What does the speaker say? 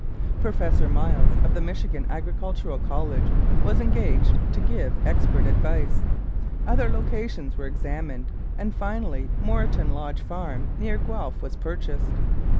Professor Miles, of the Michigan Agricultural College, was engaged to give expert advice; other locations were examined, and finally Moreton Lodge Farm, near Guelph, was purchased.